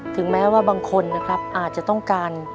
ถึงแม้ว่าบางคนนะครับอาจจะต้องการ